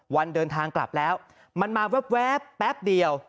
วันเดินทางกลับแล้วมันมาแว๊บแป๊บเดียว